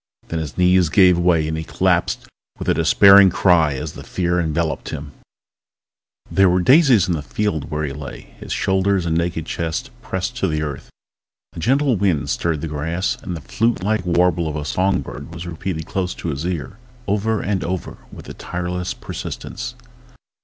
Then his knees gave way and he collapsed with a despairing cry as the fear enveloped him ...There were daisies in the field where he lay, his shoulders and naked chest pressed to the earth. A gentle wind stirred the grass, and the flute like warble of a song bird was repeated close to his ear, over and over with a tireless persistence.